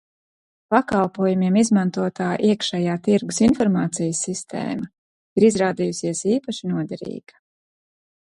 Pakalpojumiem izmantotā iekšējā tirgus informācijas sistēma ir izrādījusies īpaši noderīga.